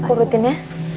aku urutin ya